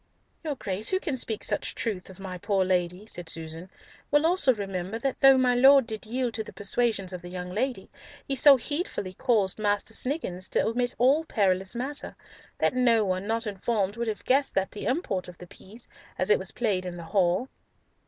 "Your Grace, who can speak such truth of my poor Lady," said Susan, "will also remember that though my Lord did yield to the persuasions of the young ladies, he so heedfully caused Master Sniggins to omit all perilous matter, that no one not informed would have guessed at the import of the piece, as it was played in the hall."